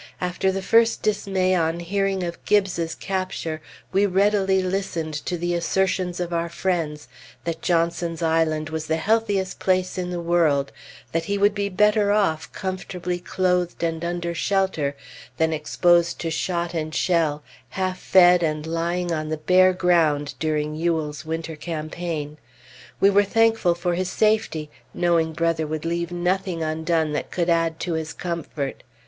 After the first dismay on hearing of Gibbes's capture, we readily listened to the assertions of our friends that Johnson's Island was the healthiest place in the world; that he would be better off, comfortably clothed and under shelter, than exposed to shot and shell, half fed, and lying on the bare ground during Ewell's winter campaign. We were thankful for his safety, knowing Brother would leave nothing undone that could add to his comfort.